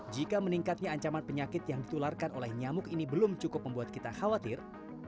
jika meningkatnya ancaman penyakit yang ditularkan oleh nyamuk ini belum cukup membuat kita khawatir